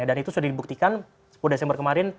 dan itu sudah dibuktikan pada desember kemarin